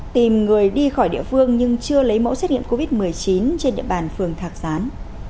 tìm người đi khỏi địa phương nhưng chưa lấy mẫu xét nghiệm covid một mươi chín trên địa bàn phường thạc gián